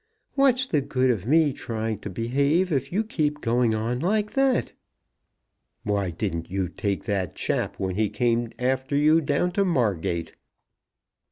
What's the good of me trying to behave, if you keep going on like that?" "Why didn't you take that chap when he came after you down to Margate?"